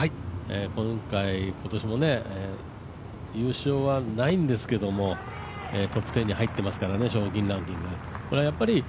今回、今年もね、優勝はないんですけどもトップ１０に入っていますからね、賞金ランキング。